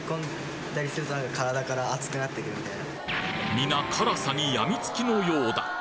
みな辛さにやみつきのようだ